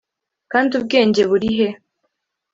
kandi ubwenge burihe